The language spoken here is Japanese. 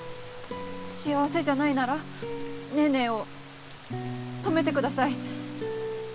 幸せじゃないならネーネーを止めてください。